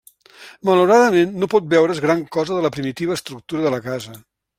Malauradament no pot veure's gran cosa de la primitiva estructura de la casa.